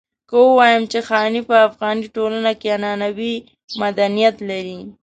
که ووايم چې خاني په افغاني ټولنه کې عنعنوي مدنيت لري.